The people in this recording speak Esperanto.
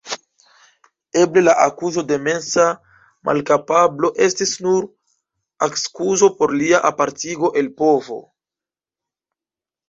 Eble la akuzo de mensa malkapablo estis nur akskuzo por lia apartigo el povo.